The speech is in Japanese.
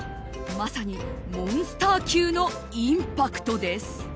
まさにモンスター級のインパクトです。